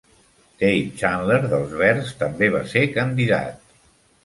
Dave Chandler, dels Verds, també va ser candidat.